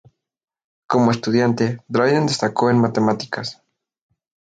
Como estudiante, Dryden destacó en matemáticas.